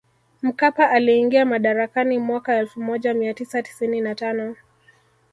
Mkapa aliingia madarakani mwaka elfu moja mia tisa tisini na tano